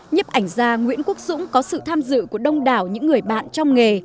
nhếp ảnh gia nguyễn quốc dũng có sự tham dự của đông đảo những người bạn trong nghề